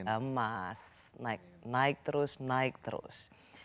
emas naik naik terus naik terus